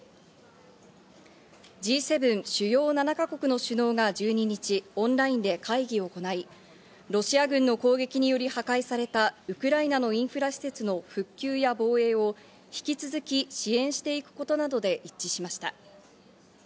Ｇ７＝主要７か国の首脳が１２日、オンラインで会議を行い、ロシア軍の攻撃により破壊されたウクライナのインフラ施設の復旧や防衛を引き続き、支援していくことなどで一致しました。